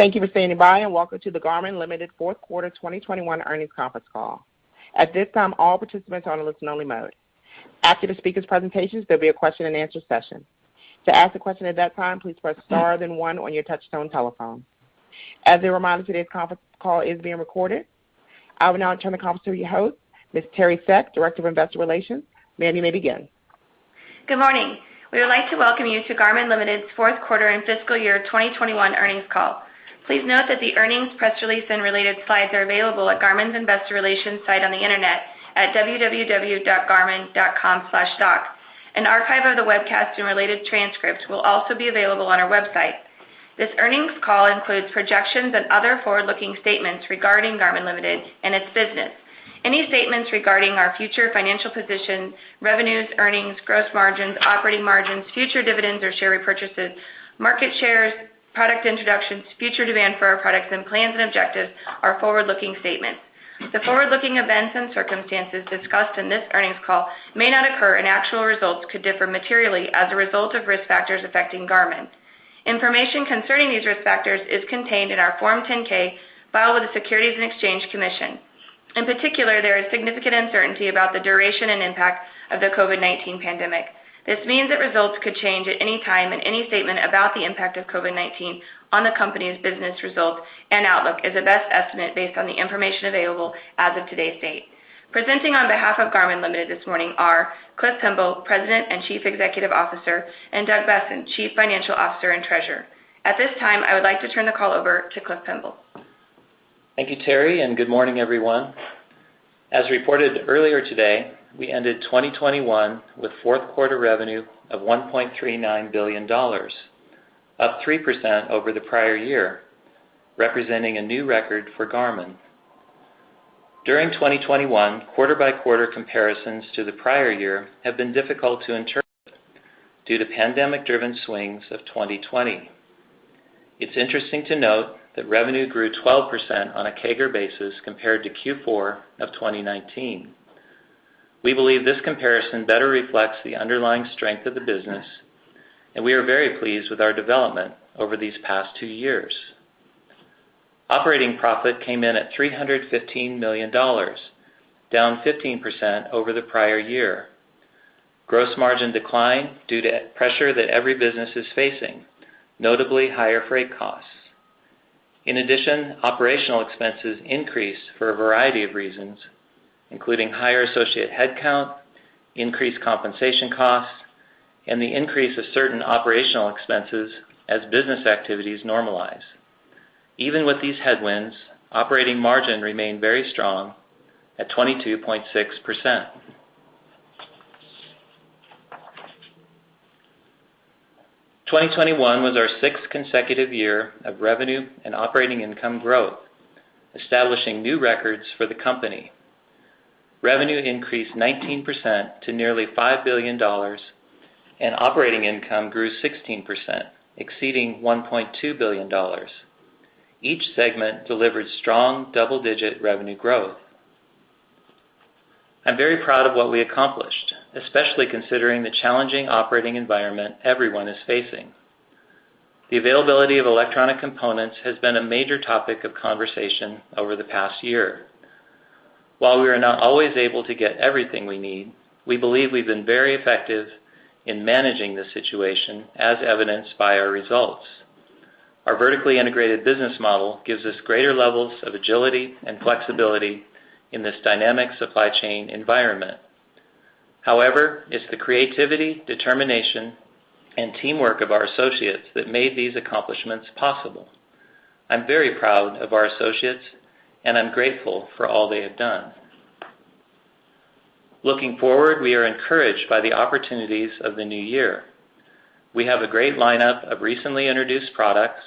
Thank you for standing by, and welcome to the Garmin Ltd. Fourth Quarter 2021 Earnings Conference Call. At this time, all participants are in a listen-only mode. After the speakers' presentations, there'll be a question and answer session. To ask a question at that time, please press star then one on your touchtone telephone. As a reminder, today's conference call is being recorded. I will now turn the conference over to your host, Ms. Teri Severson, Director of Investor Relations. Ma'am, you may begin. Good morning. We would like to welcome you to Garmin Ltd.'s fourth quarter and fiscal year 2021 earnings call. Please note that the earnings press release and related slides are available at Garmin's investor relations site on the internet at www.garmin.com/docs. An archive of the webcast and related transcript will also be available on our website. This earnings call includes projections and other forward-looking statements regarding Garmin Ltd. and its business. Any statements regarding our future financial position, revenues, earnings, gross margins, operating margins, future dividends or share repurchases, market shares, product introductions, future demand for our products, and plans and objectives are forward-looking statements. The forward-looking events and circumstances discussed in this earnings call may not occur, and actual results could differ materially as a result of risk factors affecting Garmin. Information concerning these risk factors is contained in our Form 10-K filed with the Securities and Exchange Commission. In particular, there is significant uncertainty about the duration and impact of the COVID-19 pandemic. This means that results could change at any time. Any statement about the impact of COVID-19 on the company's business results and outlook is a best estimate based on the information available as of today's date. Presenting on behalf of Garmin Ltd. this morning are Cliff Pemble, President and Chief Executive Officer, and Doug Boessen, Chief Financial Officer and Treasurer. At this time, I would like to turn the call over to Cliff Pemble. Thank you, Teri, and good morning, everyone. As reported earlier today, we ended 2021 with fourth quarter revenue of $1.39 billion, up 3% over the prior year, representing a new record for Garmin. During 2021, quarter by quarter comparisons to the prior year have been difficult to interpret due to pandemic driven swings of 2020. It's interesting to note that revenue grew 12% on a CAGR basis compared to Q4 of 2019. We believe this comparison better reflects the underlying strength of the business, and we are very pleased with our development over these past two years. Operating profit came in at $315 million, down 15% over the prior year. Gross margin declined due to pressure that every business is facing, notably higher freight costs. In addition, operational expenses increased for a variety of reasons, including higher associate headcount, increased compensation costs, and the increase of certain operational expenses as business activities normalize. Even with these headwinds, operating margin remained very strong at 22.6%. 2021 was our sixth consecutive year of revenue and operating income growth, establishing new records for the company. Revenue increased 19% to nearly $5 billion, and operating income grew 16%, exceeding $1.2 billion. Each segment delivered strong double-digit revenue growth. I'm very proud of what we accomplished, especially considering the challenging operating environment everyone is facing. The availability of electronic components has been a major topic of conversation over the past year. While we are not always able to get everything we need, we believe we've been very effective in managing the situation as evidenced by our results. Our vertically integrated business model gives us greater levels of agility and flexibility in this dynamic supply chain environment. However, it's the creativity, determination, and teamwork of our associates that made these accomplishments possible. I'm very proud of our associates and I'm grateful for all they have done. Looking forward, we are encouraged by the opportunities of the new year. We have a great lineup of recently introduced products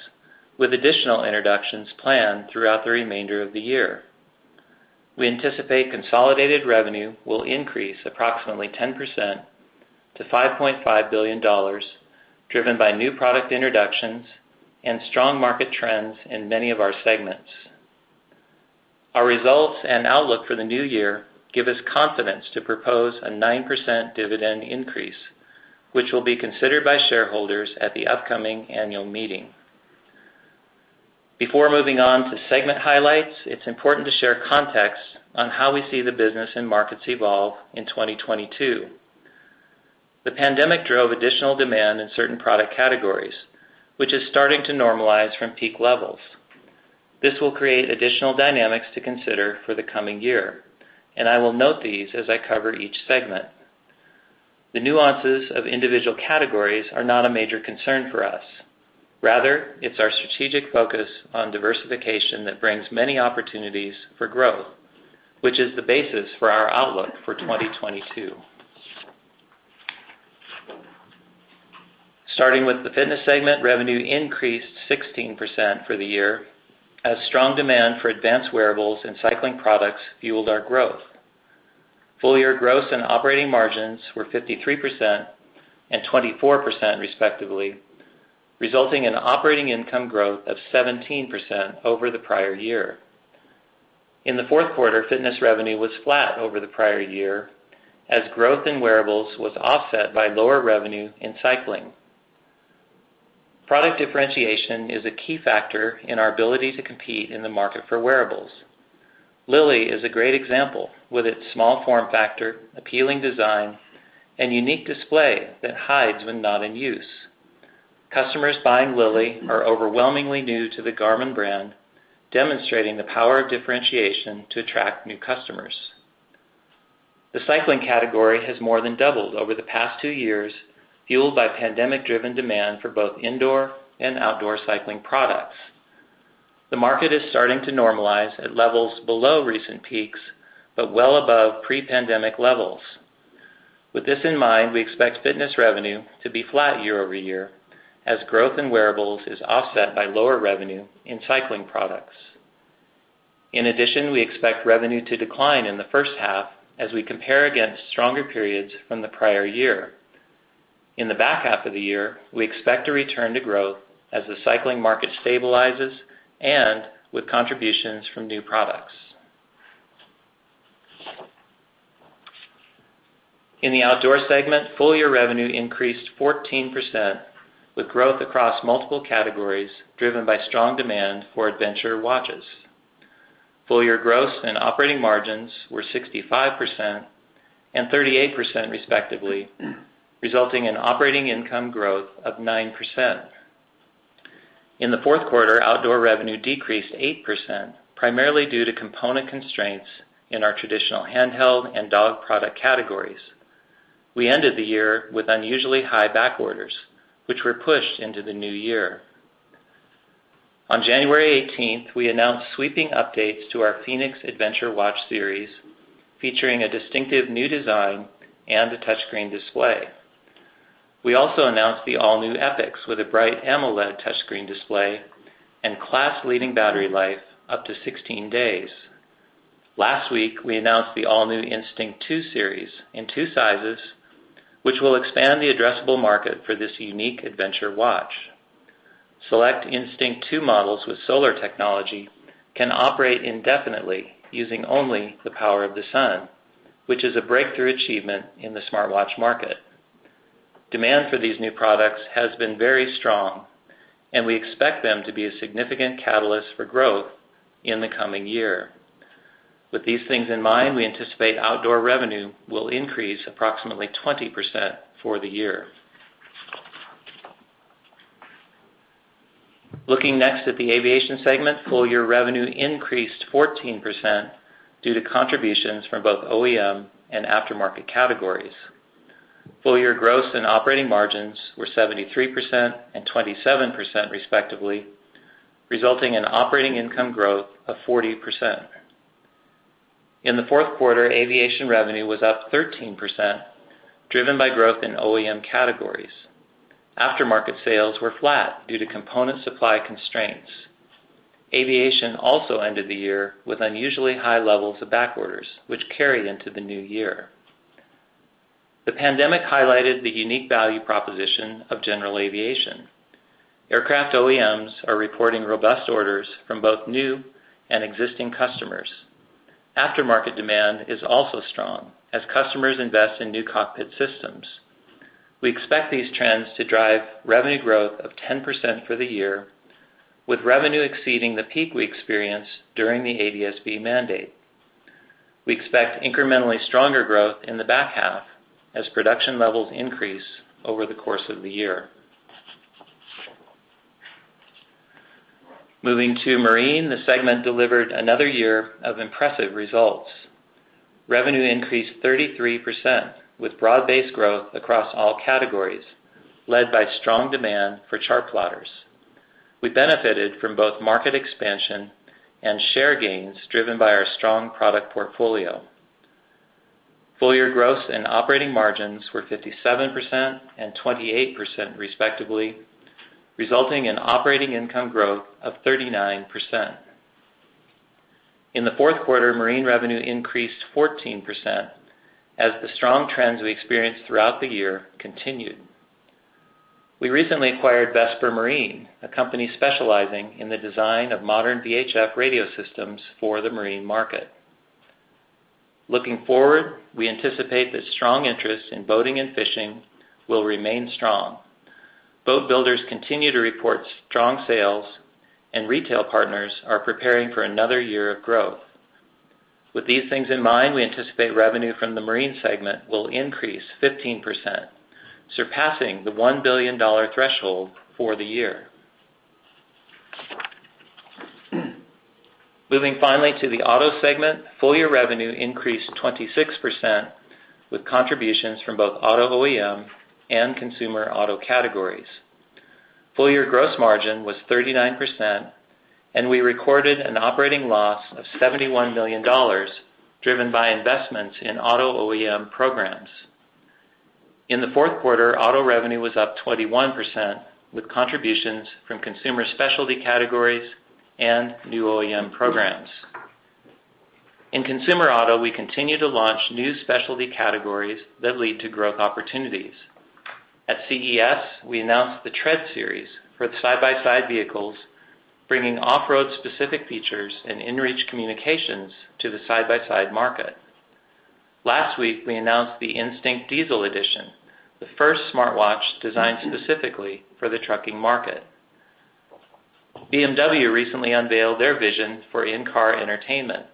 with additional introductions planned throughout the remainder of the year. We anticipate consolidated revenue will increase approximately 10% to $5.5 billion, driven by new product introductions and strong market trends in many of our segments. Our results and outlook for the new year give us confidence to propose a 9% dividend increase, which will be considered by shareholders at the upcoming annual meeting. Before moving on to segment highlights, it's important to share context on how we see the business and markets evolve in 2022. The pandemic drove additional demand in certain product categories, which is starting to normalize from peak levels. This will create additional dynamics to consider for the coming year, and I will note these as I cover each segment. The nuances of individual categories are not a major concern for us. Rather, it's our strategic focus on diversification that brings many opportunities for growth, which is the basis for our outlook for 2022. Starting with the fitness segment, revenue increased 16% for the year as strong demand for advanced wearables and cycling products fueled our growth. Full-year gross and operating margins were 53% and 24%, respectively, resulting in operating income growth of 17% over the prior year. In the fourth quarter, fitness revenue was flat over the prior year as growth in wearables was offset by lower revenue in cycling. Product differentiation is a key factor in our ability to compete in the market for wearables. Lily is a great example, with its small form factor, appealing design, and unique display that hides when not in use. Customers buying Lily are overwhelmingly new to the Garmin brand, demonstrating the power of differentiation to attract new customers. The cycling category has more than doubled over the past two years, fueled by pandemic-driven demand for both indoor and outdoor cycling products. The market is starting to normalize at levels below recent peaks, but well above pre-pandemic levels. With this in mind, we expect fitness revenue to be flat year-over-year, as growth in wearables is offset by lower revenue in cycling products. In addition, we expect revenue to decline in the first half as we compare against stronger periods from the prior year. In the back half of the year, we expect a return to growth as the cycling market stabilizes and with contributions from new products. In the Outdoor segment, full-year revenue increased 14%, with growth across multiple categories driven by strong demand for adventure watches. Full-year gross and operating margins were 65% and 38% respectively, resulting in operating income growth of 9%. In the fourth quarter, Outdoor revenue decreased 8%, primarily due to component constraints in our traditional handheld and dog product categories. We ended the year with unusually high back orders, which were pushed into the new year. On January 18, we announced sweeping updates to our fēnix adventure watch series, featuring a distinctive new design and a touchscreen display. We also announced the all-new epix with a bright AMOLED touchscreen display and class-leading battery life up to 16 days. Last week, we announced the all-new Instinct 2 series in two sizes, which will expand the addressable market for this unique adventure watch. Select Instinct 2 models with solar technology can operate indefinitely using only the power of the sun, which is a breakthrough achievement in the smartwatch market. Demand for these new products has been very strong, and we expect them to be a significant catalyst for growth in the coming year. With these things in mind, we anticipate outdoor revenue will increase approximately 20% for the year. Looking next at the aviation segment, full-year revenue increased 14% due to contributions from both OEM and aftermarket categories. Full-year gross and operating margins were 73% and 27% respectively, resulting in operating income growth of 40%. In the fourth quarter, aviation revenue was up 13%, driven by growth in OEM categories. Aftermarket sales were flat due to component supply constraints. Aviation also ended the year with unusually high levels of back orders, which carried into the new year. The pandemic highlighted the unique value proposition of general aviation. Aircraft OEMs are reporting robust orders from both new and existing customers. Aftermarket demand is also strong as customers invest in new cockpit systems. We expect these trends to drive revenue growth of 10% for the year, with revenue exceeding the peak we experienced during the ADS-B mandate. We expect incrementally stronger growth in the back half as production levels increase over the course of the year. Moving to marine, the segment delivered another year of impressive results. Revenue increased 33%, with broad-based growth across all categories, led by strong demand for chart plotters. We benefited from both market expansion and share gains driven by our strong product portfolio. Full-year gross and operating margins were 57% and 28% respectively, resulting in operating income growth of 39%. In the fourth quarter, marine revenue increased 14% as the strong trends we experienced throughout the year continued. We recently acquired Vesper Marine, a company specializing in the design of modern VHF radio systems for the marine market. Looking forward, we anticipate that strong interest in boating and fishing will remain strong. Boat builders continue to report strong sales, and retail partners are preparing for another year of growth. With these things in mind, we anticipate revenue from the marine segment will increase 15%, surpassing the $1 billion threshold for the year. Moving finally to the auto segment, full-year revenue increased 26%, with contributions from both auto OEM and consumer auto categories. Full-year gross margin was 39%, and we recorded an operating loss of $71 million, driven by investments in auto OEM programs. In the fourth quarter, auto revenue was up 21%, with contributions from consumer specialty categories and new OEM programs. In consumer auto, we continue to launch new specialty categories that lead to growth opportunities. At CES, we announced the Tread series for the side-by-side vehicles, bringing off-road specific features and inReach communications to the side-by-side market. Last week, we announced the Instinct 2 – dēzl Edition, the first smartwatch designed specifically for the trucking market. BMW recently unveiled their vision for in-car entertainment,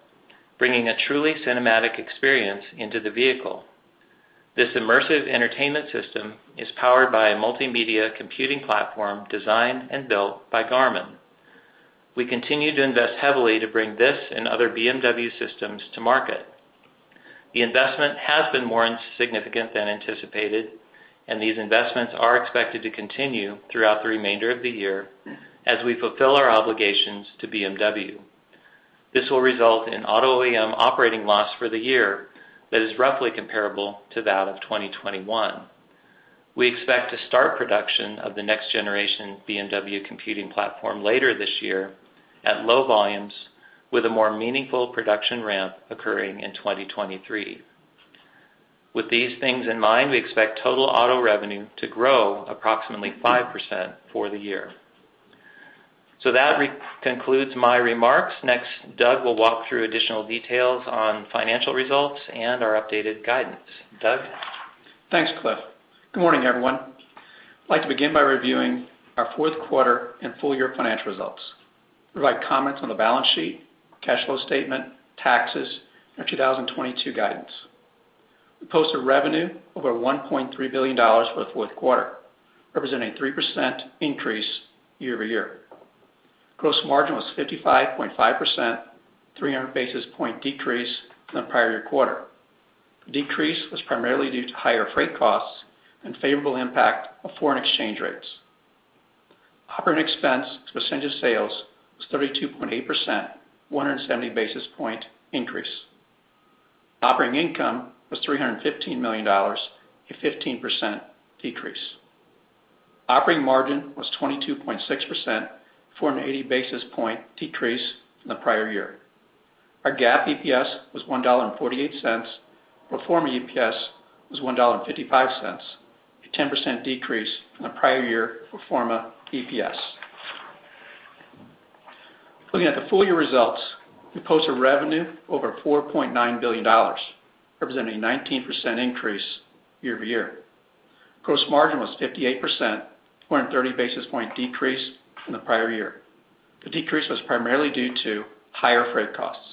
bringing a truly cinematic experience into the vehicle. This immersive entertainment system is powered by a multimedia computing platform designed and built by Garmin. We continue to invest heavily to bring this and other BMW systems to market. The investment has been more significant than anticipated, and these investments are expected to continue throughout the remainder of the year as we fulfill our obligations to BMW. This will result in Auto OEM operating loss for the year that is roughly comparable to that of 2021. We expect to start production of the next generation BMW computing platform later this year at low volumes with a more meaningful production ramp occurring in 2023. With these things in mind, we expect total auto revenue to grow approximately 5% for the year. That re-concludes my remarks. Next, Doug will walk through additional details on financial results and our updated guidance. Doug? Thanks, Cliff. Good morning, everyone. I'd like to begin by reviewing our fourth quarter and full year financial results, provide comments on the balance sheet, cash flow statement, taxes, our 2022 guidance. We posted revenue over $1.3 billion for the fourth quarter, representing a 3% increase year-over-year. Gross margin was 55.5%, 300 basis point decrease from the prior year quarter. Decrease was primarily due to higher freight costs and unfavorable impact of foreign exchange rates. Operating expense as a percentage of sales was 32.8%, 170 basis point increase. Operating income was $315 million, a 15% decrease. Operating margin was 22.6%, 480 basis point decrease from the prior year. Our GAAP EPS was $1.48. Pro forma EPS was $1.55, a 10% decrease from the prior year pro forma EPS. Looking at the full-year results, we posted revenue over $4.9 billion, representing 19% increase year-over-year. Gross margin was 58%, 430 basis points decrease from the prior year. The decrease was primarily due to higher freight costs.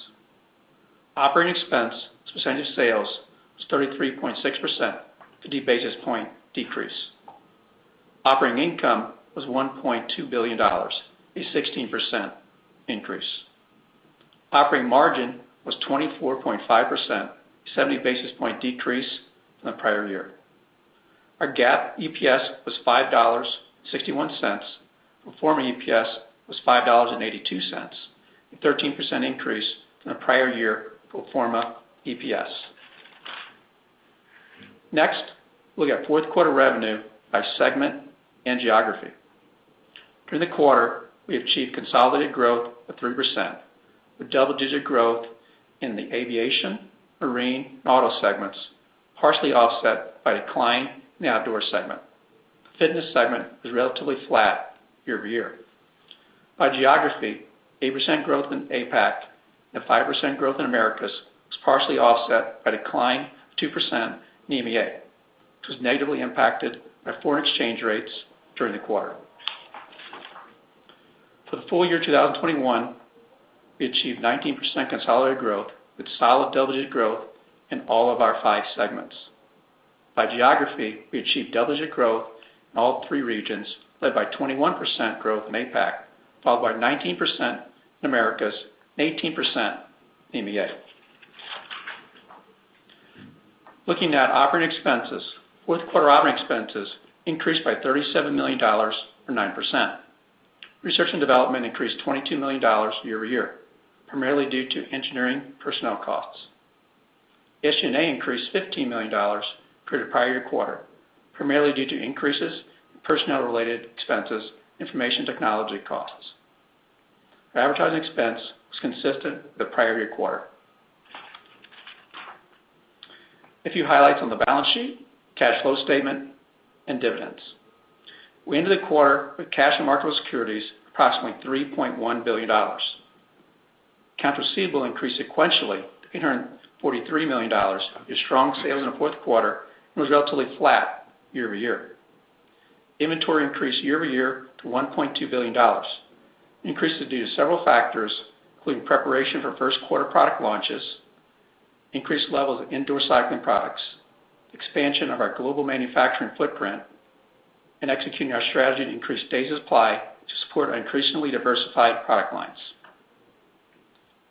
Operating expense as a percentage of sales was 33.6%, 50 basis points decrease. Operating income was $1.2 billion, a 16% increase. Operating margin was 24.5%, 70 basis points decrease from the prior year. Our GAAP EPS was $5.61. Pro forma EPS was $5.82, a 13% increase from the prior year pro forma EPS. Next, looking at fourth quarter revenue by segment and geography. During the quarter, we achieved consolidated growth of 3%, with double-digit growth in the aviation, marine, and auto segments, partially offset by decline in the outdoor segment. The fitness segment was relatively flat year-over-year. By geography, 8% growth in APAC and 5% growth in Americas was partially offset by decline of 2% in EMEA, which was negatively impacted by foreign exchange rates during the quarter. For the full year 2021, we achieved 19% consolidated growth, with solid double-digit growth in all of our five segments. By geography, we achieved double-digit growth in all three regions, led by 21% growth in APAC, followed by 19% in Americas, and 18% in EMEA. Looking at operating expenses, fourth quarter operating expenses increased by $37 million or 9%. Research and development increased $22 million year-over-year, primarily due to engineering personnel costs. SG&A increased $15 million compared to the prior-year quarter, primarily due to increases in personnel-related expenses, information technology costs. Our advertising expense was consistent with the prior-year quarter. A few highlights on the balance sheet, cash flow statement, and dividends. We ended the quarter with cash and marketable securities approximately $3.1 billion. Accounts receivable increased sequentially to $843 million. Our strong sales in the fourth quarter was relatively flat year-over-year. Inventory increased year-over-year to $1.2 billion. Increase is due to several factors, including preparation for first quarter product launches, increased levels of indoor cycling products, expansion of our global manufacturing footprint, and executing our strategy to increase days of supply to support our increasingly diversified product lines.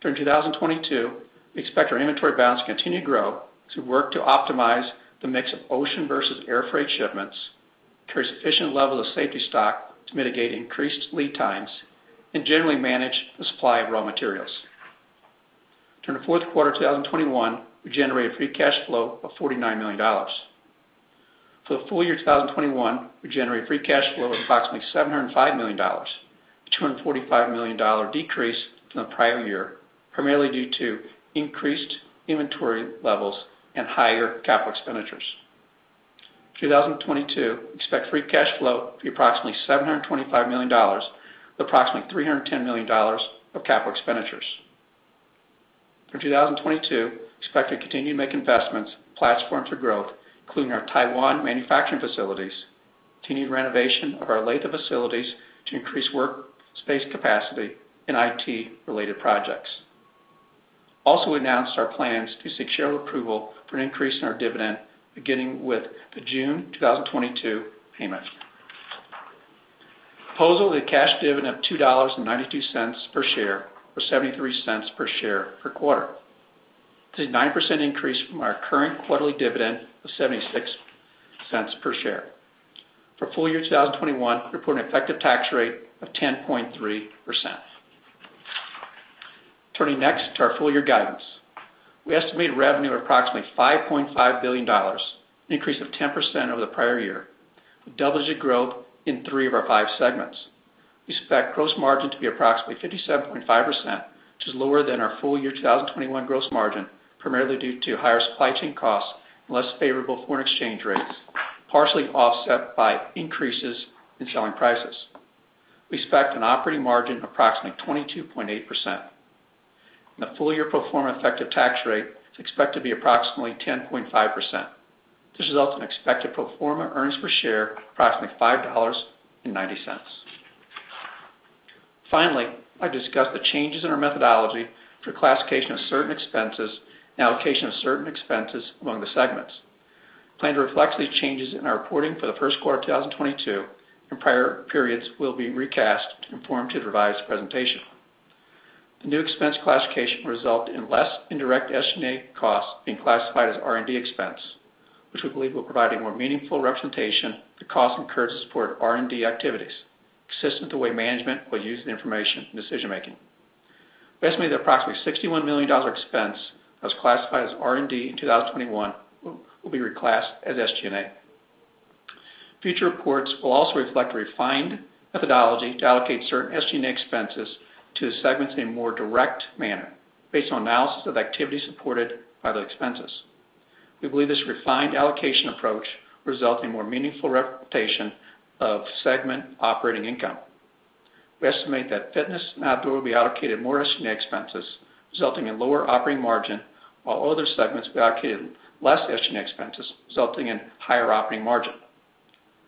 During 2022, we expect our inventory balance to continue to grow as we work to optimize the mix of ocean versus air freight shipments, carry sufficient levels of safety stock to mitigate increased lead times, and generally manage the supply of raw materials. During the fourth quarter 2021, we generated free cash flow of $49 million. For the full year 2021, we generated free cash flow of approximately $705 million, $245 million-dollar decrease from the prior year, primarily due to increased inventory levels and higher capital expenditures. In 2022, we expect free cash flow to be approximately $725 million, with approximately $310 million of capital expenditures. For 2022, expect to continue to make investments in platforms for growth, including our Taiwan manufacturing facilities, continued renovation of our Olathe facilities to increase work space capacity, and IT related projects. Also, we announced our plans to seek shareholder approval for an increase in our dividend beginning with the June 2022 payment. Proposal is a cash dividend of $2.92 per share, or 0.73 per share per quarter. This is a 9% increase from our current quarterly dividend of 0.76 per share. For full year 2021, we report an effective tax rate of 10.3%. Turning next to our full year guidance. We estimate revenue of approximately $5.5 billion, an increase of 10% over the prior year, with double-digit growth in three of our five segments. We expect gross margin to be approximately 57.5%, which is lower than our full year 2021 gross margin, primarily due to higher supply chain costs and less favorable foreign exchange rates, partially offset by increases in selling prices. We expect an operating margin of approximately 22.8%. The full year pro forma effective tax rate is expected to be approximately 10.5%. This results in expected pro forma earnings per share of approximately $5.90. Finally, I'll discuss the changes in our methodology for classification of certain expenses and allocation of certain expenses among the segments. We plan to reflect these changes in our reporting for the first quarter of 2022, and prior periods will be recast to conform to the revised presentation. The new expense classification will result in less indirect SG&A costs being classified as R&D expense, which we believe will provide a more meaningful representation of the costs incurred to support R&D activities, consistent with the way management will use the information in decision-making. We estimate that approximately $61 million of expense that was classified as R&D in 2021 will be reclassed as SG&A. Future reports will also reflect a refined methodology to allocate certain SG&A expenses to the segments in a more direct manner based on analysis of activities supported by those expenses. We believe this refined allocation approach will result in more meaningful representation of segment operating income. We estimate that Fitness and Outdoor will be allocated more SG&A expenses, resulting in lower operating margin, while other segments will be allocated less SG&A expenses, resulting in higher operating margin.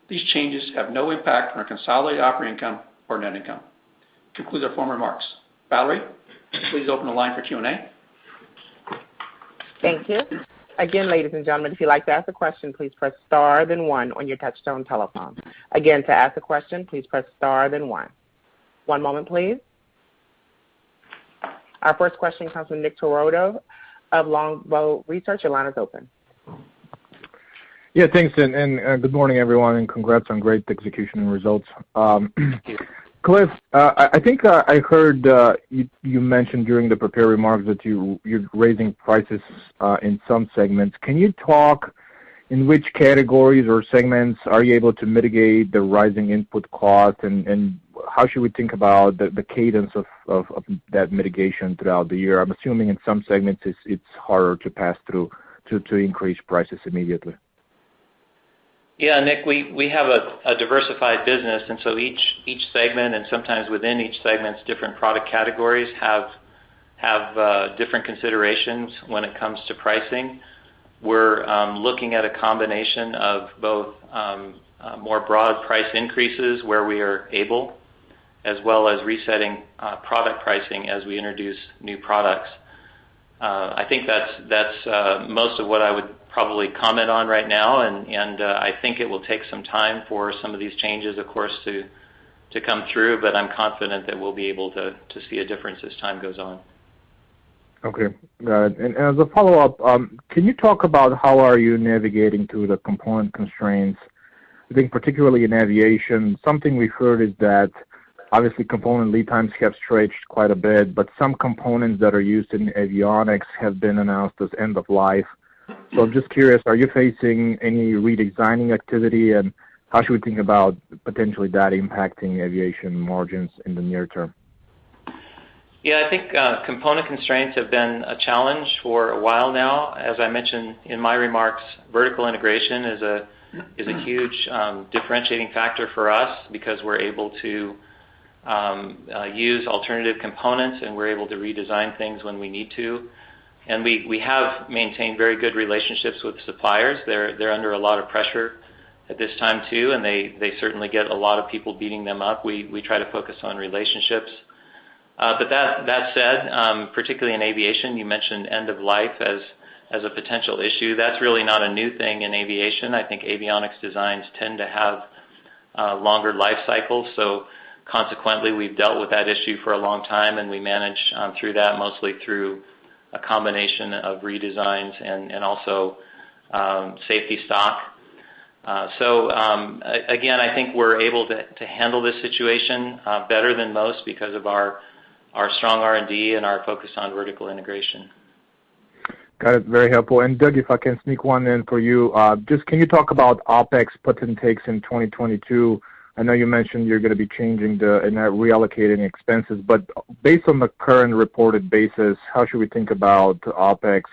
These changes have no impact on our consolidated operating income or net income. This concludes our formal remarks. Valerie, please open the line for Q&A. Thank you. Again, ladies and gentlemen, if you'd like to ask a question, please press star then one on your touchtone telephone. Again, to ask a question, please press star then one. One moment please. Our first question comes from Nick Todorov of Longbow Research. Your line is open. Yeah, thanks. Good morning everyone, and congrats on great execution and results. Cliff, I think I heard you mention during the prepared remarks that you're raising prices in some segments. Can you talk in which categories or segments are you able to mitigate the rising input costs? How should we think about the cadence of that mitigation throughout the year? I'm assuming in some segments it's harder to pass through to increase prices immediately. Yeah, Nick, we have a diversified business, and so each segment, and sometimes within each segment's different product categories, have different considerations when it comes to pricing. We're looking at a combination of both, more broad price increases where we are able, as well as resetting, product pricing as we introduce new products. I think that's most of what I would probably comment on right now, and I think it will take some time for some of these changes, of course, to come through, but I'm confident that we'll be able to see a difference as time goes on. Okay, got it. As a follow-up, can you talk about how are you navigating through the component constraints? I think particularly in aviation, something we've heard is that obviously component lead times have stretched quite a bit, but some components that are used in avionics have been announced as end of life. I'm just curious, are you facing any redesigning activity? How should we think about potentially that impacting aviation margins in the near term? Yeah, I think component constraints have been a challenge for a while now. As I mentioned in my remarks, vertical integration is a huge differentiating factor for us because we're able to use alternative components, and we're able to redesign things when we need to. We have maintained very good relationships with suppliers. They're under a lot of pressure at this time too, and they certainly get a lot of people beating them up. We try to focus on relationships. That said, particularly in aviation, you mentioned end of life as a potential issue. That's really not a new thing in aviation. I think avionics designs tend to have longer life cycles, so consequently, we've dealt with that issue for a long time, and we manage through that mostly through a combination of redesigns and also safety stock. Again, I think we're able to handle this situation better than most because of our strong R&D and our focus on vertical integration. Got it. Very helpful. Doug, if I can sneak one in for you. Just can you talk about OpEx puts and takes in 2022? I know you mentioned you're gonna be reallocating expenses. Based on the current reported basis, how should we think about OpEx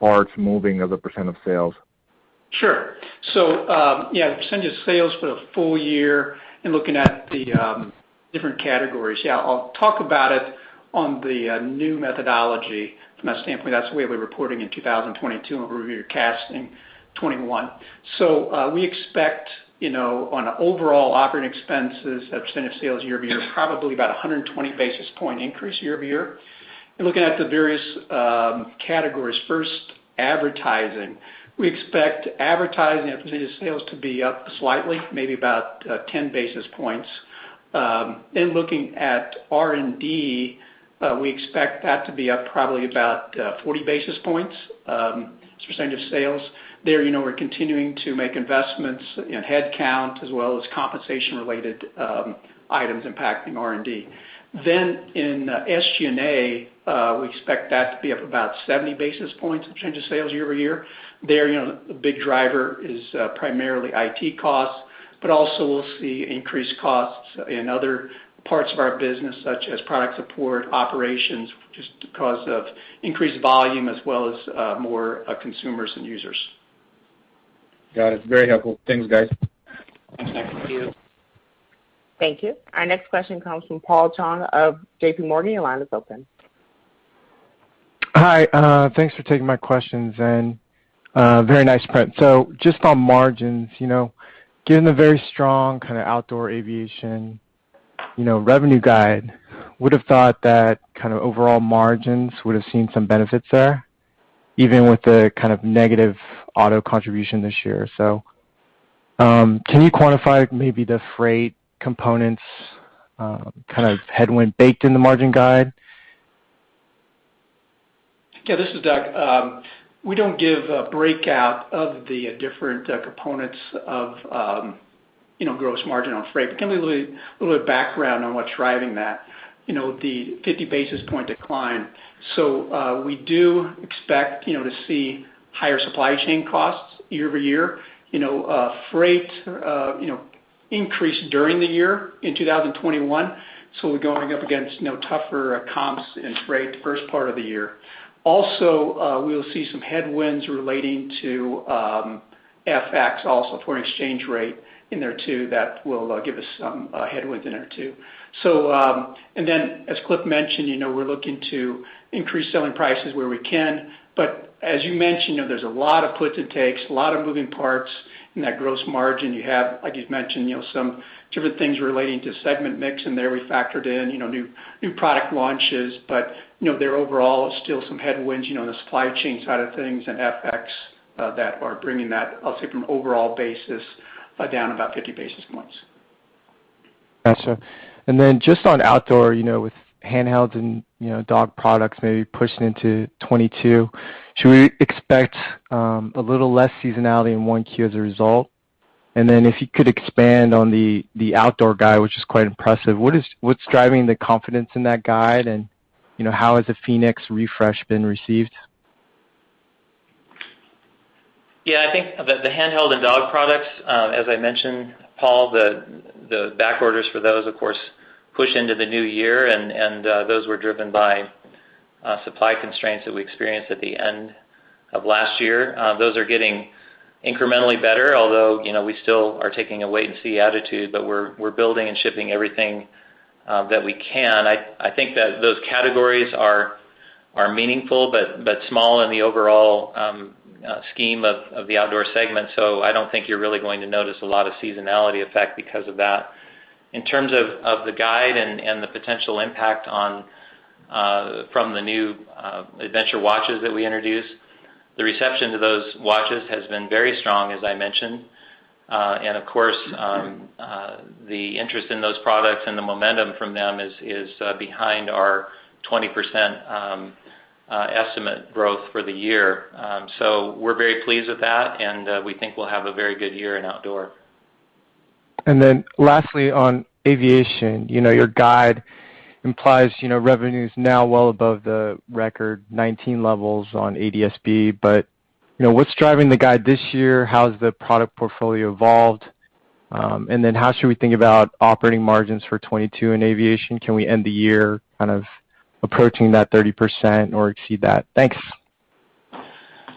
puts moving as a percent of sales? Sure. The percentage of sales for the full year and looking at the different categories. I'll talk about it on the new methodology. From that standpoint, that's the way we're reporting in 2022, and we're forecasting 2021. We expect, you know, on overall operating expenses as a percent of sales year-over-year, probably about 120 basis point increase year-over-year. Looking at the various categories, first, advertising. We expect advertising as a percent of sales to be up slightly, maybe about 10 basis points. Then looking at R&D, we expect that to be up probably about 40 basis points as a percent of sales. You know, we're continuing to make investments in headcount as well as compensation-related items impacting R&D. In SG&A, we expect that to be up about 70 basis points as a percent of sales year-over-year. There, you know, the big driver is primarily IT costs, but also we'll see increased costs in other parts of our business, such as product support, operations, just because of increased volume as well as more consumers and users. Got it. Very helpful. Thanks, guys. Thanks. Thank you. Thank you. Our next question comes from Paul Chung of JP Morgan. Your line is open. Hi, thanks for taking my questions, and very nice print. Just on margins, you know, given the very strong kind of outdoor aviation, you know, revenue guide, would've thought that kind of overall margins would've seen some benefits there, even with the kind of negative auto contribution this year. Can you quantify maybe the freight components, kind of headwind baked in the margin guide? Yeah, this is Doug. We don't give a breakout of the different components of you know, gross margin on freight. Give you a little background on what's driving that, you know, the 50 basis point decline. We do expect, you know, to see higher supply chain costs year-over-year. You know, freight you know, increased during the year in 2021, so we're going up against, you know, tougher comps in freight the first part of the year. Also, we'll see some headwinds relating to FX also, foreign exchange rate in there too. That will give us some headwind in there too. As Cliff mentioned, you know, we're looking to increase selling prices where we can. As you mentioned, you know, there's a lot of puts and takes, a lot of moving parts in that gross margin. You have, like you've mentioned, you know, some different things relating to segment mix in there we factored in, you know, new product launches. You know, there are overall still some headwinds, you know, on the supply chain side of things and FX that are bringing that, I'll say from an overall basis, down about 50 basis points. Gotcha. Just on outdoor, you know, with handhelds and, you know, dog products maybe pushing into 2022, should we expect a little less seasonality in 1Q as a result? If you could expand on the outdoor guide, which is quite impressive, what's driving the confidence in that guide? You know, how has the fēnix refresh been received? Yeah, I think the handheld and dog products, as I mentioned, Paul, the back orders for those of course push into the new year and those were driven by supply constraints that we experienced at the end of last year. Those are getting incrementally better, although, you know, we still are taking a wait and see attitude, but we're building and shipping everything that we can. I think that those categories are meaningful, but small in the overall scheme of the Outdoor segment. So I don't think you're really going to notice a lot of seasonality effect because of that. In terms of the guide and the potential impact from the new adventure watches that we introduced, the reception to those watches has been very strong, as I mentioned. Of course, the interest in those products and the momentum from them is behind our 20% estimated growth for the year. We're very pleased with that, and we think we'll have a very good year in Outdoor. Lastly, on aviation, you know, your guide implies, you know, revenues now well above the record 2019 levels on ADS-B. You know, what's driving the guide this year? How's the product portfolio evolved? How should we think about operating margins for 2022 in aviation? Can we end the year kind of approaching that 30% or exceed that? Thanks.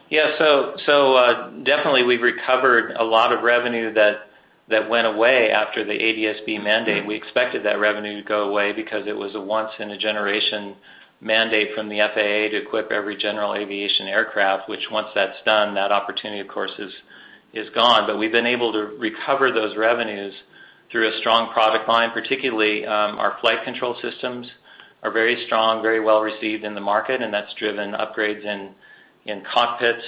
Yeah. So definitely we've recovered a lot of revenue that went away after the ADS-B mandate. We expected that revenue to go away because it was a once in a generation mandate from the FAA to equip every general aviation aircraft, which once that's done, that opportunity, of course, is gone. But we've been able to recover those revenues through a strong product line, particularly, our flight control systems are very strong, very well received in the market, and that's driven upgrades in cockpits.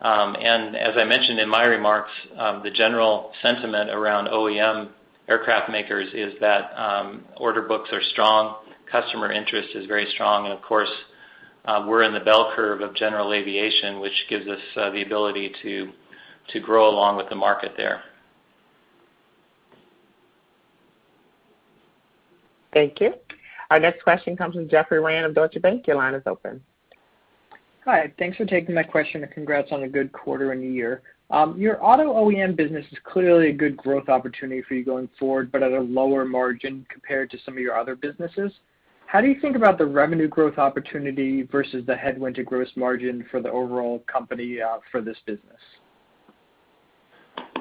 As I mentioned in my remarks, the general sentiment around OEM aircraft makers is that order books are strong, customer interest is very strong, and of course, we're in the bell curve of general aviation, which gives us the ability to grow along with the market there. Thank you. Our next question comes from Jeffrey Wang of Deutsche Bank. Your line is open. Hi. Thanks for taking my question, and congrats on a good quarter and year. Your auto OEM business is clearly a good growth opportunity for you going forward, but at a lower margin compared to some of your other businesses. How do you think about the revenue growth opportunity versus the headwind to gross margin for the overall company, for this business?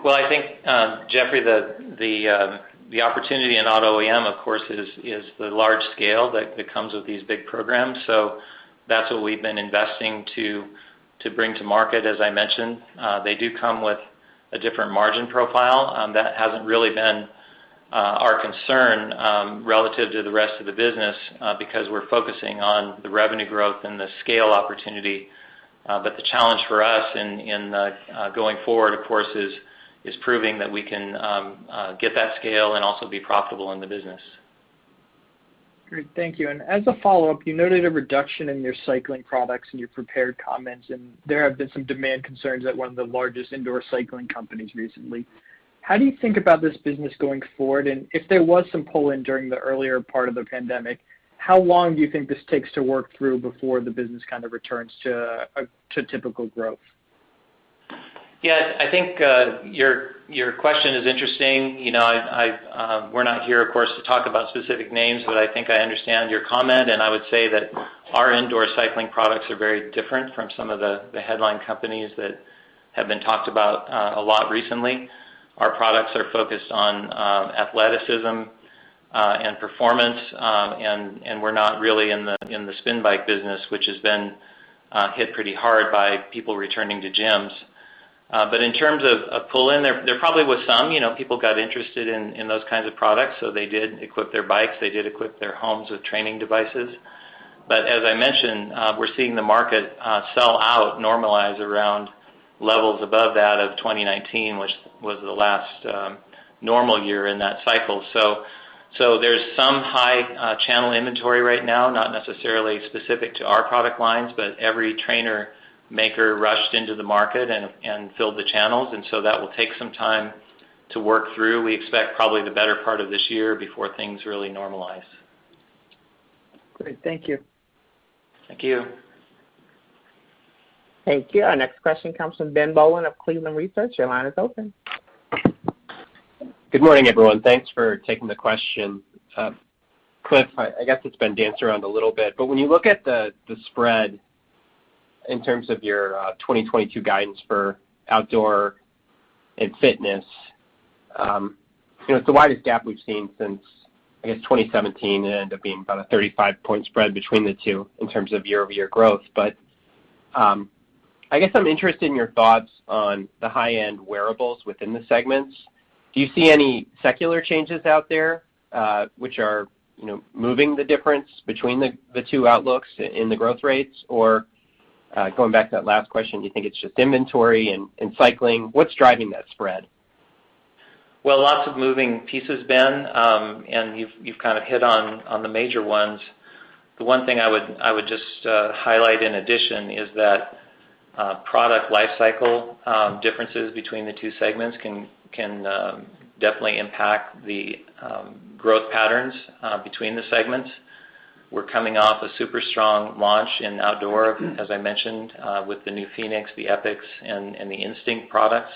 Well, I think, Jeffrey, the opportunity in auto OEM, of course, is the large scale that comes with these big programs. That's what we've been investing to bring to market. As I mentioned, they do come with a different margin profile that hasn't really been our concern relative to the rest of the business because we're focusing on the revenue growth and the scale opportunity. The challenge for us going forward, of course, is proving that we can get that scale and also be profitable in the business. Great. Thank you. As a follow-up, you noted a reduction in your cycling products in your prepared comments, and there have been some demand concerns at one of the largest indoor cycling companies recently. How do you think about this business going forward? If there was some pull-in during the earlier part of the pandemic, how long do you think this takes to work through before the business kind of returns to typical growth? Yeah. I think your question is interesting. You know, we're not here, of course, to talk about specific names, but I think I understand your comment, and I would say that our indoor cycling products are very different from some of the headline companies that have been talked about a lot recently. Our products are focused on athleticism and performance, and we're not really in the spin bike business, which has been hit pretty hard by people returning to gyms. In terms of pull-in, there probably was some. You know, people got interested in those kinds of products, so they did equip their bikes, they did equip their homes with training devices. As I mentioned, we're seeing the market sell out, normalize around levels above that of 2019, which was the last normal year in that cycle. There's some high channel inventory right now, not necessarily specific to our product lines, but every trainer maker rushed into the market and filled the channels. That will take some time to work through. We expect probably the better part of this year before things really normalize. Great. Thank you. Thank you. Thank you. Our next question comes from Ben Bollin of Cleveland Research. Your line is open. Good morning, everyone. Thanks for taking the question. Cliff, I guess it's been danced around a little bit, but when you look at the spread in terms of your 2022 guidance for outdoor and fitness, you know, it's the widest gap we've seen since, I guess, 2017. It ended up being about a 35-point spread between the two in terms of year-over-year growth. I guess I'm interested in your thoughts on the high-end wearables within the segments. Do you see any secular changes out there, which are, you know, moving the difference between the two outlooks in the growth rates? Going back to that last question, do you think it's just inventory and cycling? What's driving that spread? Well, lots of moving pieces, Ben, and you've kind of hit on the major ones. The one thing I would just highlight in addition is that product life cycle differences between the two segments can definitely impact the growth patterns between the segments. We're coming off a super strong launch in outdoor, as I mentioned, with the new fēnix, the epix, and the Instinct products.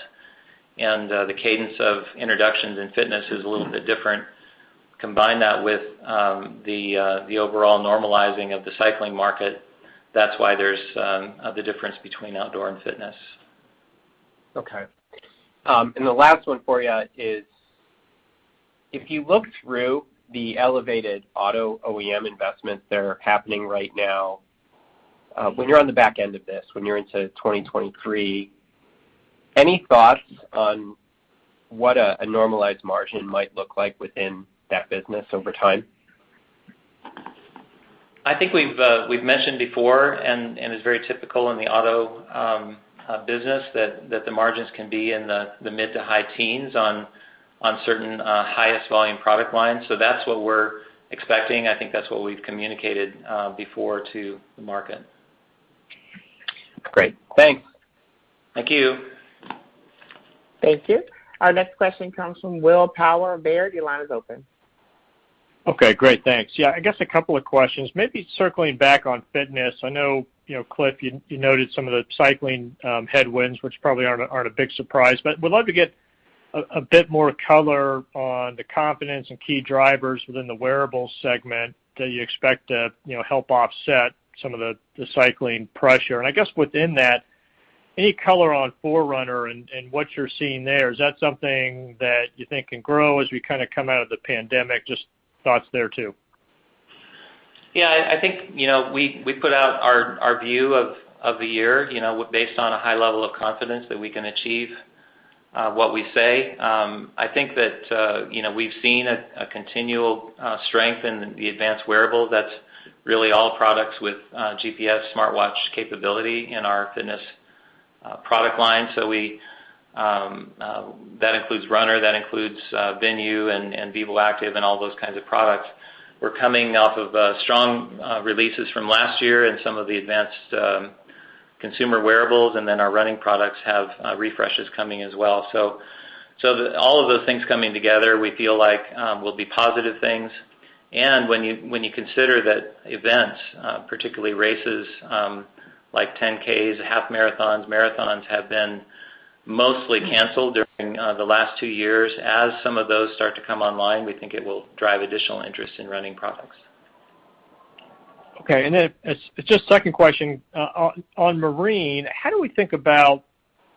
The cadence of introductions in fitness is a little bit different. Combine that with the overall normalizing of the cycling market, that's why there's the difference between outdoor and fitness. Okay. The last one for you is, if you look through the elevated auto OEM investments that are happening right now, when you're on the back end of this, when you're into 2023, any thoughts on what a normalized margin might look like within that business over time? I think we've mentioned before, and it's very typical in the auto business that the margins can be in the mid- to high teens on certain highest volume product lines. That's what we're expecting. I think that's what we've communicated before to the market. Great. Thanks. Thank you. Thank you. Our next question comes from Will Power of Baird. Your line is open. Okay, great. Thanks. Yeah, I guess a couple of questions. Maybe circling back on fitness. I know, you know, Cliff, you noted some of the cycling headwinds, which probably aren't a big surprise, but would love to get a bit more color on the confidence and key drivers within the wearables segment that you expect to, you know, help offset some of the cycling pressure. I guess within that, any color on Forerunner and what you're seeing there. Is that something that you think can grow as we kinda come out of the pandemic? Just thoughts there too. Yeah, I think, you know, we put out our view of the year, you know, based on a high level of confidence that we can achieve what we say. I think that, you know, we've seen a continual strength in the advanced wearables. That's really all products with GPS smartwatch capability in our fitness product line. That includes Forerunner, Venu and vívoactive and all those kinds of products. We're coming off of strong releases from last year and some of the advanced consumer wearables and then our running products have refreshes coming as well. All of those things coming together, we feel like will be positive things. When you consider that events, particularly races, like 10 Ks, half marathons, have been mostly canceled during the last two years, as some of those start to come online, we think it will drive additional interest in running products. Okay. It's just second question. On marine, how do we think about,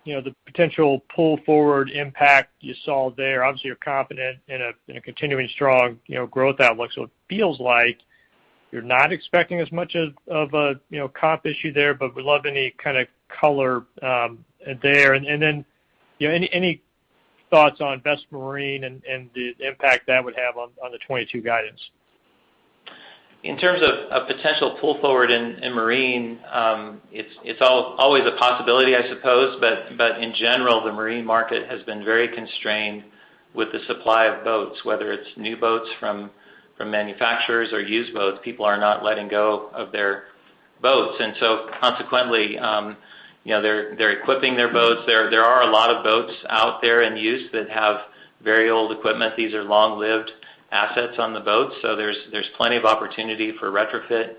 you know, the potential pull forward impact you saw there? Obviously, you're confident in a continuing strong, you know, growth outlook, so it feels like you're not expecting as much of a, you know, comp issue there, but would love any kind of color there. Then, you know, any thoughts on Vesper Marine and the impact that would have on the 2022 guidance? In terms of potential pull forward in marine, it's always a possibility, I suppose. In general, the marine market has been very constrained with the supply of boats, whether it's new boats from manufacturers or used boats. People are not letting go of their boats. Consequently, you know, they're equipping their boats. There are a lot of boats out there in use that have very old equipment. These are long-lived assets on the boats, so there's plenty of opportunity for retrofit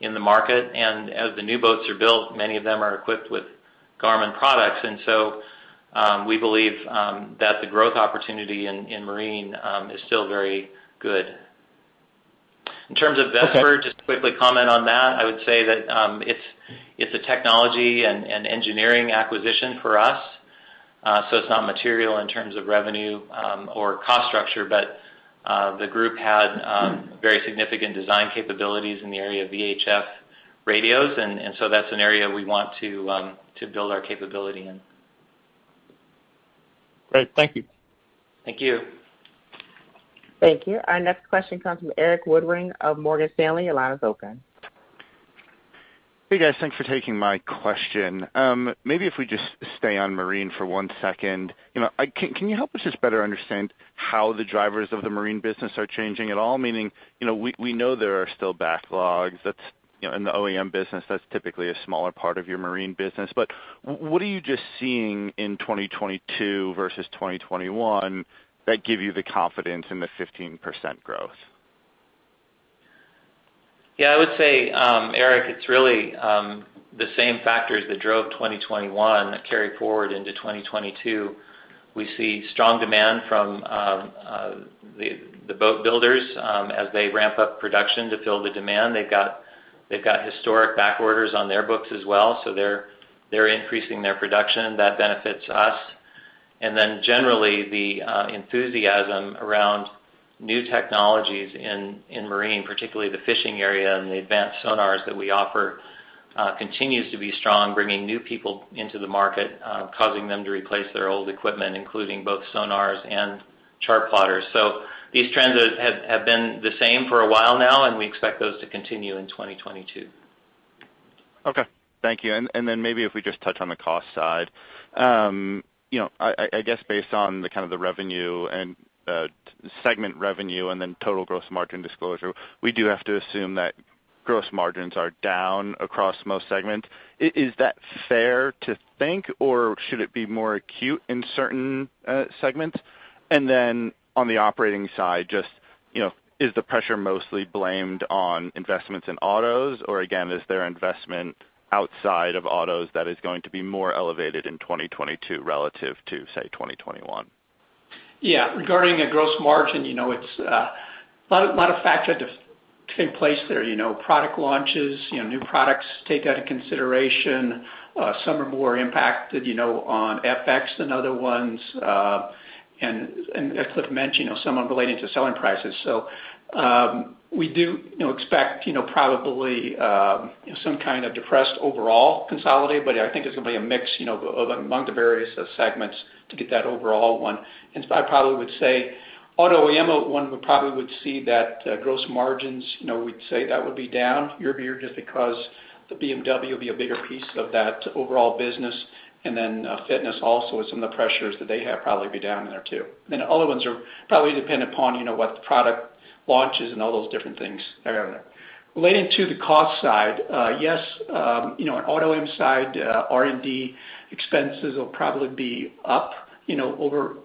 in the market. As the new boats are built, many of them are equipped with Garmin products. We believe that the growth opportunity in marine is still very good. In terms of Vesper- Okay. Just to quickly comment on that, I would say that it's a technology and engineering acquisition for us, so it's not material in terms of revenue or cost structure. The group had very significant design capabilities in the area of VHF radios and so that's an area we want to build our capability in. Great. Thank you. Thank you. Thank you. Our next question comes from Erik Woodring of Morgan Stanley. Your line is open. Hey, guys. Thanks for taking my question. Maybe if we just stay on Marine for one second. Can you help us just better understand how the drivers of the marine business are changing at all? Meaning, we know there are still backlogs. That's in the OEM business, that's typically a smaller part of your marine business. But what are you just seeing in 2022 versus 2021 that give you the confidence in the 15% growth? Yeah, I would say, Eric, it's really the same factors that drove 2021 that carry forward into 2022. We see strong demand from the boat builders as they ramp up production to fill the demand. They've got historic back orders on their books as well, so they're increasing their production. That benefits us. Generally, the enthusiasm around new technologies in marine, particularly the fishing area and the advanced sonars that we offer continues to be strong, bringing new people into the market causing them to replace their old equipment, including both sonars and chart plotters. These trends have been the same for a while now, and we expect those to continue in 2022. Okay. Thank you. Maybe if we just touch on the cost side. You know, I guess based on the kind of revenue and segment revenue and then total gross margin disclosure, we do have to assume that gross margins are down across most segments. Is that fair to think, or should it be more acute in certain segments? On the operating side, just, you know, is the pressure mostly blamed on investments in autos? Again, is there investment outside of autos that is going to be more elevated in 2022 relative to, say, 2021? Yeah. Regarding the gross margin, you know, it's a lot of factors have took place there. You know, product launches, you know, new products take that into consideration. Some are more impacted, you know, on FX than other ones. And as Cliff mentioned, you know, some are relating to selling prices. So we do expect probably some kind of depressed overall consolidated, but I think there's gonna be a mix, you know, of among the various segments to get that overall one. I probably would say Auto OEM one would see that gross margins, you know, we'd say that would be down year-over-year just because the BMW will be a bigger piece of that overall business. Fitness also and some of the pressures that they have probably be down in there too. The other ones are probably dependent upon, you know, what the product launches and all those different things that are in there. Relating to the cost side, yes, you know, on Auto OEM side, R&D expenses will probably be up, you know, over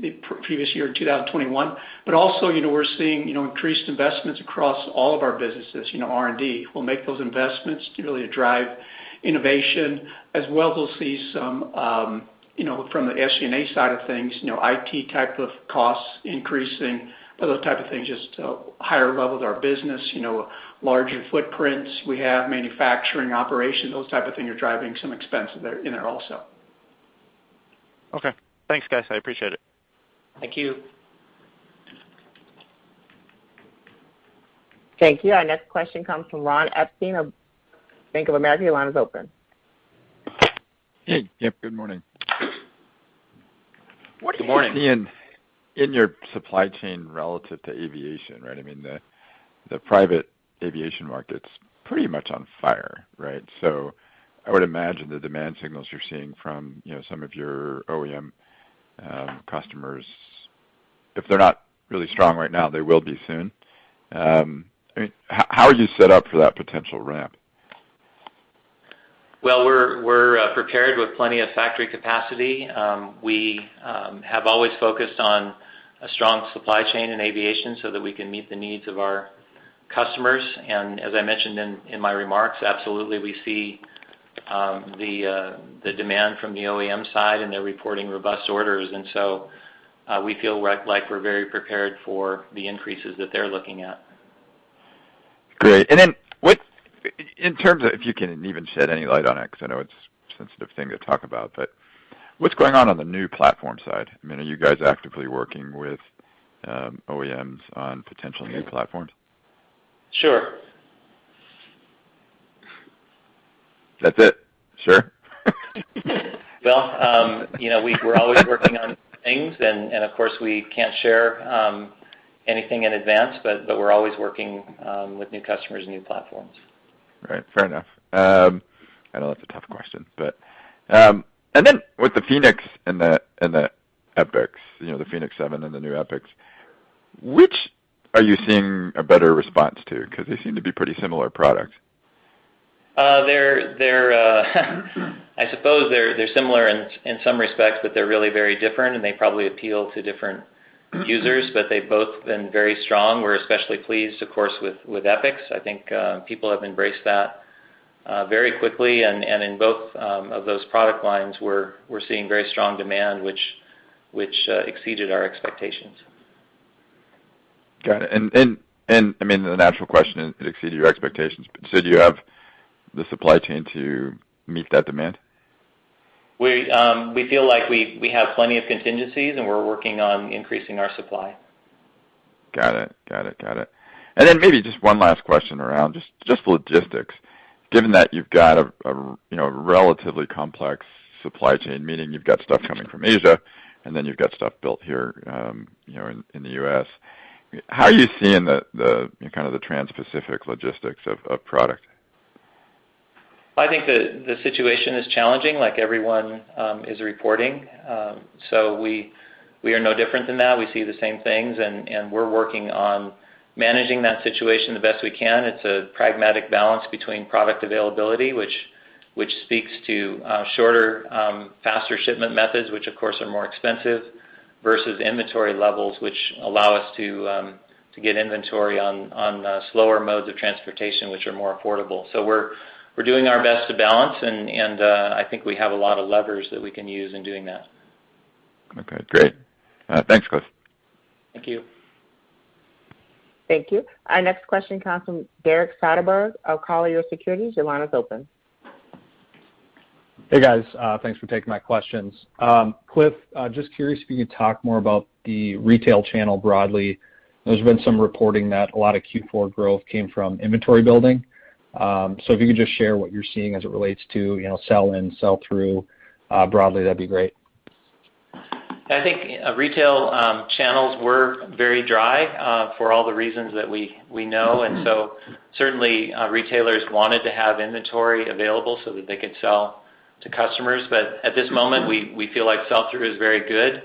the previous year in 2021. You know, we're seeing, you know, increased investments across all of our businesses. You know, R&D, we'll make those investments to really drive innovation. As well, we'll see some, you know, from the SG&A side of things, you know, IT type of costs increasing. Other type of things, just, higher level of our business, you know, larger footprints. We have manufacturing operations. Those type of thing are driving some expenses there, in there also. Okay. Thanks, guys. I appreciate it. Thank you. Thank you. Our next question comes from Ron Epstein of Bank of America. Your line is open. Hey. Yep. Good morning. Good morning. What are you seeing in your supply chain relative to aviation, right? I mean, the private aviation market's pretty much on fire, right? I would imagine the demand signals you're seeing from, you know, some of your OEM customers If they're not really strong right now, they will be soon. I mean, how are you set up for that potential ramp? Well, we're prepared with plenty of factory capacity. We have always focused on a strong supply chain in aviation so that we can meet the needs of our customers. As I mentioned in my remarks, absolutely, we see the demand from the OEM side, and they're reporting robust orders. We feel like we're very prepared for the increases that they're looking at. Great. In terms of, if you can even shed any light on it, 'cause I know it's a sensitive thing to talk about, but what's going on the new platform side? I mean, are you guys actively working with OEMs on potential new platforms? Sure. That's it? Sure? Well, you know, we're always working on things, and of course, we can't share anything in advance, but we're always working with new customers and new platforms. Right. Fair enough. I know that's a tough question, but with the fēnix and the epix, you know, the fēnix 7 and the new epix, which are you seeing a better response to? 'Cause they seem to be pretty similar products. They're similar in some respects, but they're really very different, and they probably appeal to different users. They've both been very strong. We're especially pleased, of course, with epix. I think people have embraced that very quickly. In both of those product lines, we're seeing very strong demand, which exceeded our expectations. Got it. I mean, the natural question, it exceeded your expectations, but so do you have the supply chain to meet that demand? We feel like we have plenty of contingencies, and we're working on increasing our supply. Got it. Maybe just one last question around just logistics. Given that you've got a you know, relatively complex supply chain, meaning you've got stuff coming from Asia, and then you've got stuff built here, you know, in the U.S. How are you seeing the kind of transpacific logistics of product? I think the situation is challenging, like everyone is reporting. We are no different than that. We see the same things, and we're working on managing that situation the best we can. It's a pragmatic balance between product availability, which speaks to shorter, faster shipment methods, which of course are more expensive, versus inventory levels, which allow us to get inventory on slower modes of transportation, which are more affordable. We're doing our best to balance, and I think we have a lot of levers that we can use in doing that. Okay, great. Thanks, Cliff. Thank you. Thank you. Our next question comes from Derek Soderberg of Colliers Securities. Your line is open. Hey, guys. Thanks for taking my questions. Cliff, just curious if you could talk more about the retail channel broadly. There's been some reporting that a lot of Q4 growth came from inventory building. If you could just share what you're seeing as it relates to, you know, sell and sell through, broadly, that'd be great. I think our retail channels were very dry for all the reasons that we know. Certainly, retailers wanted to have inventory available so that they could sell to customers. At this moment, we feel like sell-through is very good.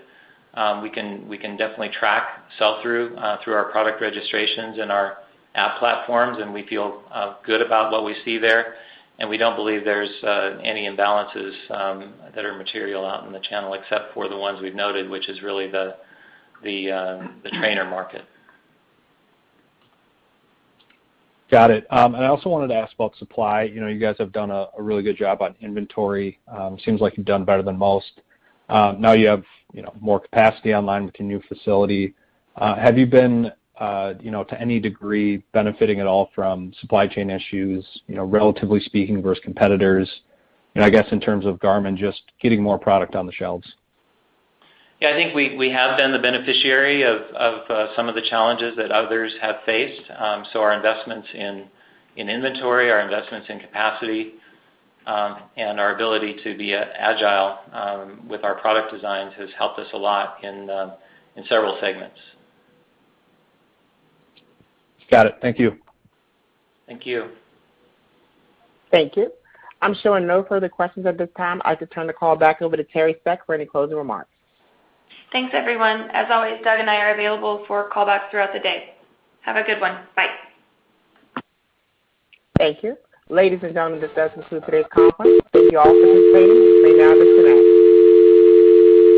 We can definitely track sell-through through our product registrations and our app platforms, and we feel good about what we see there. We don't believe there's any imbalances that are material out in the channel, except for the ones we've noted, which is really the trainer market. Got it. I also wanted to ask about supply. You know, you guys have done a really good job on inventory. Seems like you've done better than most. Now you have more capacity online with your new facility. Have you been to any degree benefiting at all from supply chain issues, you know, relatively speaking versus competitors? I guess in terms of Garmin just getting more product on the shelves. Yeah, I think we have been the beneficiary of some of the challenges that others have faced. Our investments in inventory, our investments in capacity, and our ability to be agile with our product designs has helped us a lot in several segments. Got it. Thank you. Thank you. Thank you. I'm showing no further questions at this time. I could turn the call back over to Teri Severson for any closing remarks. Thanks, everyone. As always, Doug and I are available for call backs throughout the day. Have a good one. Bye. Thank you. Ladies and gentlemen, this does conclude today's conference. Thank you all for participating. You may now disconnect.